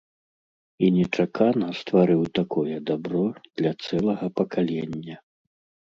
І нечакана стварыў такое дабро для цэлага пакалення.